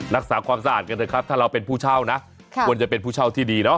รักษาความสะอาดกันเถอะครับถ้าเราเป็นผู้เช่านะควรจะเป็นผู้เช่าที่ดีเนาะ